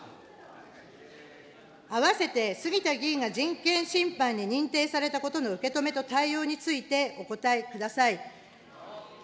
併せて杉田議員が人権侵犯に認定されたことの受け止めと対応についてお答えください。